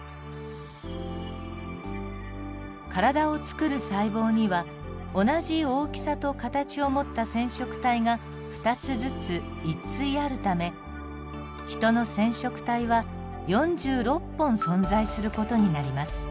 体を作る細胞には同じ大きさと形を持った染色体が２つずつ１対あるためヒトの染色体は４６本存在する事になります。